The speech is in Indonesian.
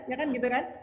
iya kan gitu kan